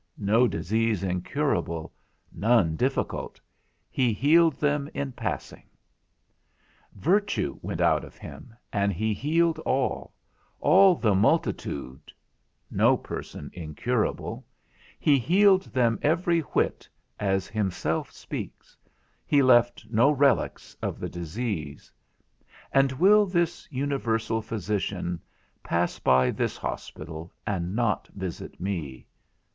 _ (No disease incurable, none difficult; he healed them in passing). Virtue went out of him, and he healed all, all the multitude (no person incurable), he healed them every whit (as himself speaks), he left no relics of the disease; and will this universal physician pass by this hospital, and not visit me?